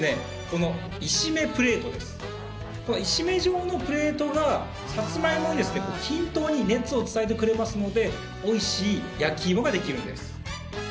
この石目状のプレートがサツマイモを均等に熱を伝えてくれますのでおいしい焼き芋ができるんです。